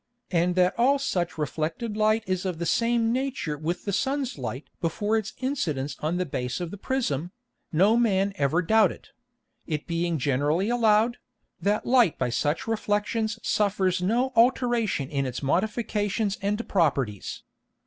And that all such reflected Light is of the same Nature with the Sun's Light before its Incidence on the Base of the Prism, no Man ever doubted; it being generally allowed, that Light by such Reflexions suffers no Alteration in its Modifications and Properties.